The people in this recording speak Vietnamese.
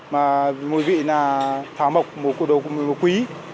mà mùi vị là thảo mộc mùi quý